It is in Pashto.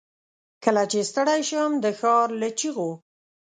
کله چې ستړی شم، دښارله چیغو